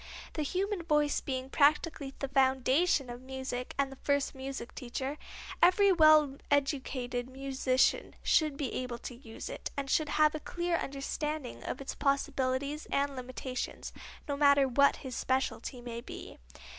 The human voice being practically the foundation of music and the first music teacher, every well educated musician should be able to use it, and should have a clear understanding of its possibilities and limitations, no matter what his specialty may be.